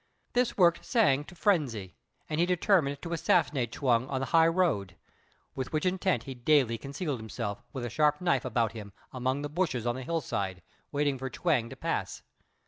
This worked Hsiang to frenzy, and he determined to assassinate Chuang on the high road; with which intent he daily concealed himself, with a sharp knife about him, among the bushes on the hill side, waiting for Chuang to pass.